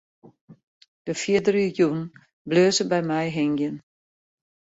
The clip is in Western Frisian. De fierdere jûn bleau se by my hingjen.